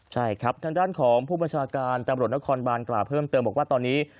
ใช่ครับทางด้านของผู้บัญชาการตำรวจนครบานกล่าวเพิ่มเติมบอกว่าตอนนี้